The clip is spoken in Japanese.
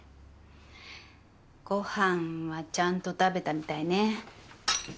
ご飯はちゃんと食べたみたいね。